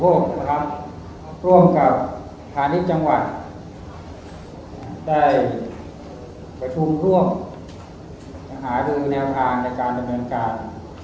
พวกเราครับร่วมกับฐานิชย์จังหวัดได้ประชุมร่วมหาดูแนวทางในการดำเนินการ